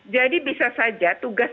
jadi bisa saja tugas